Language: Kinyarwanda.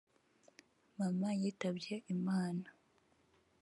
“Mama yitabye Imana